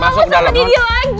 masuk ke dalam